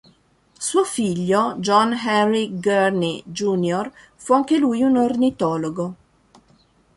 Suo figlio, John Henry Gurney Jr., fu anche lui un ornitologo.